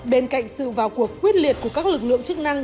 bên cạnh sự vào cuộc quyết liệt của các lực lượng chức năng